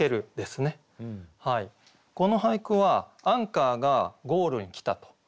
この俳句はアンカーがゴールに来たと。